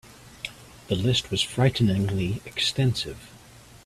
The list was frighteningly extensive.